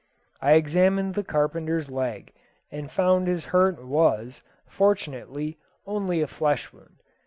I examined the carpenter's leg, and found his hurt was, fortunately, only a flesh wound.